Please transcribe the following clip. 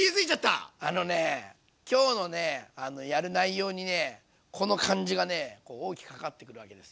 あのね今日のねやる内容にねこの感じがね大きく関わってくるわけですよ。